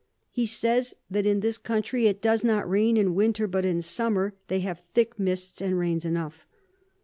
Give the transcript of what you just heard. He says that in this Country it does not rain in Winter, but in Summer they have thick Mists and Rains enough.